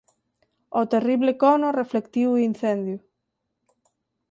O terrible cono reflectiu o incendio.